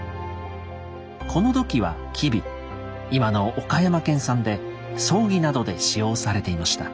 この土器は吉備今の岡山県産で葬儀などで使用されていました。